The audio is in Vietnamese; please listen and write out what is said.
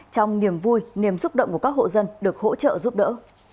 trong niềm vui niềm xúc động của các hộ dân được hỗ trợ giúp đỡ